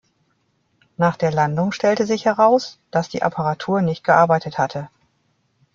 Nach der Landung stellte sich heraus, dass die Apparatur nicht gearbeitet hatte.